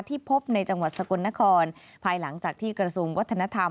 พบในจังหวัดสกลนครภายหลังจากที่กระทรวงวัฒนธรรม